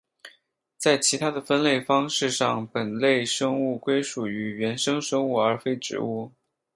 在其他的分类方式上本类生物归属于原生生物而非植物。